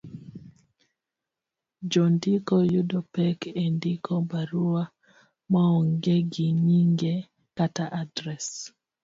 Jondiko yudo pek e ndiko barua maonge gi nyinge kata adres,